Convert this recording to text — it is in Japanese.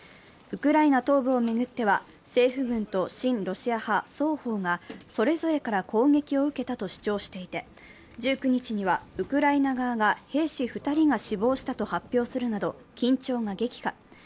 ウクライナ東部を巡っては政府軍と親ロシア派それぞれから攻撃を受けたと主張していて１９日にはウクライナ側が兵士２人が死亡したと発表するなど緊張が激化。